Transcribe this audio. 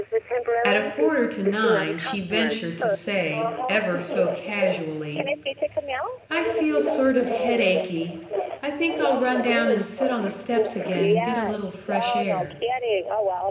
At a quarter to nine she ventured to say, ever so casually: "I feel sort of headachy. I think I'll run down and sit on the steps again and get a little fresh air."